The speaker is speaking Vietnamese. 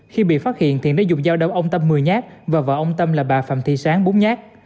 khi bị phát hiện thiện đã dùng dao đau ông tâm mười nhát và vợ ông tâm là bà phạm thị sáng bốn nhát